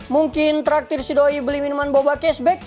mungkin terakhir si doi beli minuman boba cashback